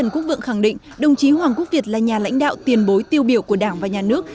quốc vượng khẳng định đồng chí hoàng quốc việt là nhà lãnh đạo tiền bối tiêu biểu của đảng và nhà nước